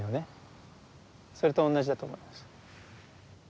それと同じだと思います。